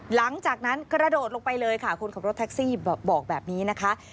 หลังจากนั้นกระโดดลงไปเลยค่ะคนขับรถแท็กซี่บอกแบบนี้นะคะ